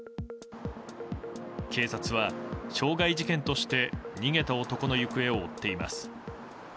警察は傷害事件として逃げた男の行方を追っています。